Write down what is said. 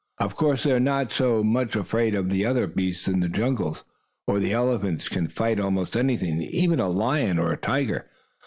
Of course they are not so much afraid of the other beasts in the jungles, for the elephant can fight almost anything, even a lion or a tiger.